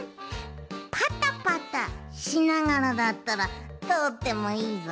パタパタしながらだったらとおってもいいぞ。